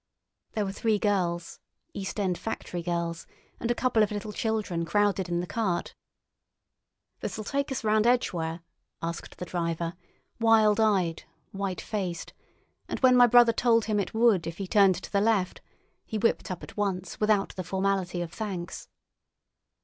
There were three girls, East End factory girls, and a couple of little children crowded in the cart. "This'll tike us rahnd Edgware?" asked the driver, wild eyed, white faced; and when my brother told him it would if he turned to the left, he whipped up at once without the formality of thanks.